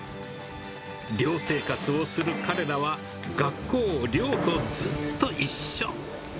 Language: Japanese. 寮生活をする彼らは、学校、寮とずっと一緒。